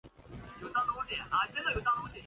西番莲科为双子叶植物中的一科。